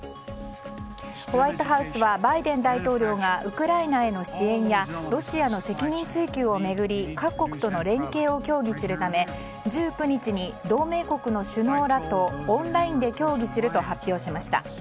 ホワイトハウスはバイデン大統領がウクライナへの支援やロシアの責任追及を巡り各国との連携を協議するため１９日に、同盟国の首脳らとオンラインで協議すると発表しました。